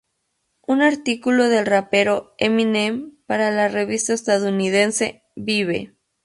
Un artículo del rapero Eminem para la revista estadounidense "Vibe".